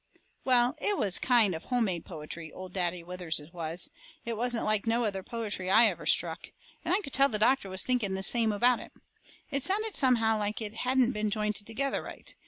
Well, it was kind of home made poetry, Old Daddy Withers's was. It wasn't like no other poetry I ever struck. And I could tell the doctor was thinking the same about it. It sounded somehow like it hadn't been jointed together right.